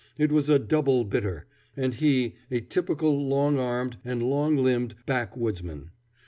It was a "double bitter," and he a typical long armed and long limbed backwoodsman.